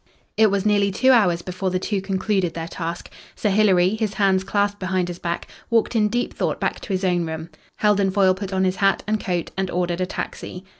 It was nearly two hours before the two concluded their task. Sir Hilary, his hands clasped behind his back, walked in deep thought back to his own room. Heldon Foyle put on his hat and coat and ordered a taxi.